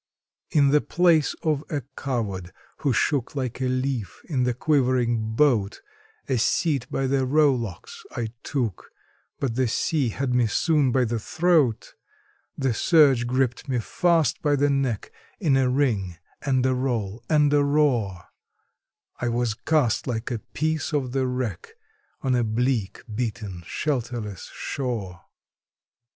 In the place of a coward, who shook like a leaf in the quivering boat, A seat by the rowlocks I took; but the sea had me soon by the throat, The surge gripped me fast by the neck in a ring, and a roll, and a roar, I was cast like a piece of the wreck, on a bleak, beaten, shelterless shore.